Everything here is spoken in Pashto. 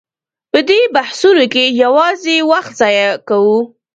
په دې بحثونو کې یوازې وخت ضایع کوو.